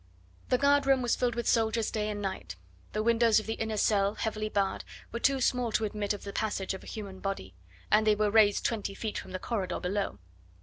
The guard room was filled with soldiers day and night; the windows of the inner cell, heavily barred, were too small to admit of the passage of a human body, and they were raised twenty feet from the corridor below.